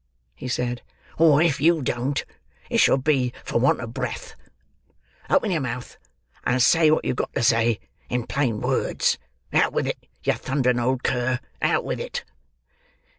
he said; "or if you don't, it shall be for want of breath. Open your mouth and say wot you've got to say in plain words. Out with it, you thundering old cur, out with it!"